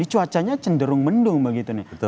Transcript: cuacanya cenderung mendung begitu nih